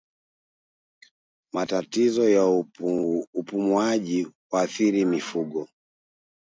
Matatizo ya upumuaji huathiri mifugo